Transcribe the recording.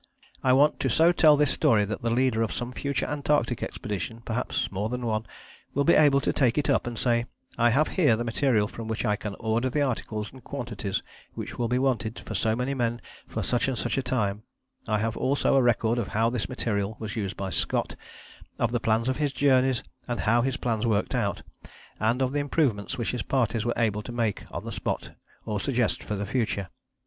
I want to so tell this story that the leader of some future Antarctic expedition, perhaps more than one, will be able to take it up and say: "I have here the material from which I can order the articles and quantities which will be wanted for so many men for such and such a time; I have also a record of how this material was used by Scott, of the plans of his journeys and how his plans worked out, and of the improvements which his parties were able to make on the spot or suggest for the future.